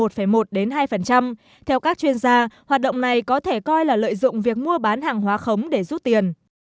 theo các chuyên gia hoạt động này có thể coi là lợi dụng việc mua bán hàng hóa khống để rút tiền